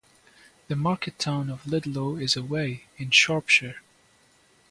The market town of Ludlow is away, in Shropshire.